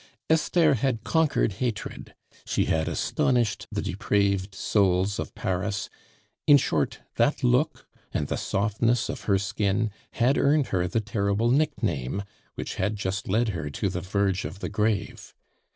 Esther had conquered hatred, she had astonished the depraved souls of Paris; in short, that look and the softness of her skin had earned her the terrible nickname which had just led her to the verge of the grave.